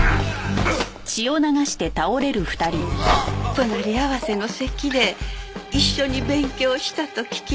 隣り合わせの席で一緒に勉強したと聞きました。